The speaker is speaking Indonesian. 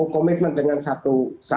komitmen dengan satu